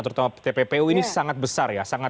terutama tppu ini sangat besar ya